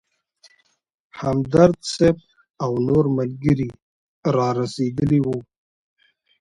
همدرد صیب او نور ملګري رارسېدلي وو.